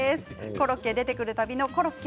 コロッケ出てくる度のコロッケ！